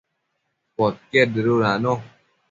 Podquied dëdudacno